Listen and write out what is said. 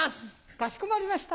かしこまりました。